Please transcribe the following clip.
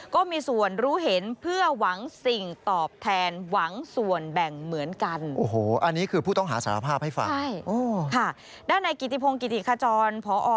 ก็มีส่วนรู้เห็นเพื่อหวังสิ่งตอบแทนหวังส่วนแบ่งเหมือนกัน